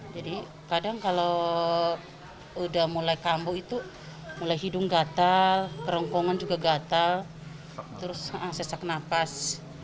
jadi kadang kalau udah mulai kambuk itu mulai hidung gatal kerongkongan juga gatal terus sesak nafas